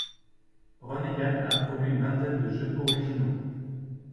Renegade a produit une vingtaine de jeux originaux.